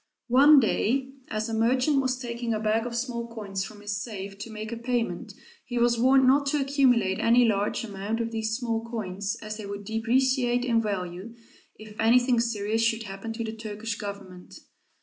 One day as a merchant was taking a bag of small coins from his safe to make a payment, he was warned not to accumulate any large amount of these small coins, as they would depreciate in value, if anything serious should happen to the Turkish Government.